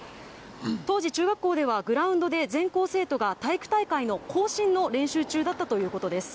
当時、中学校では、グラウンドで全校生徒が体育大会の行進の練習中だったということです。